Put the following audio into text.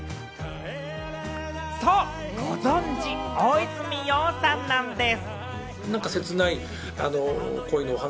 ご存じ、大泉洋さんなんです。